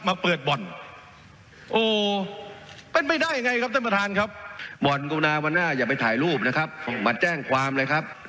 ใส่สี่ศพนะบ่อนบาคาราธารามสามสาวโจ่ยุธพงครับจากคักเพื่อไทย